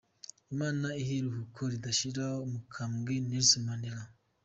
Imana ihe iruhuko ridashira umukambwe Nelson Mandela.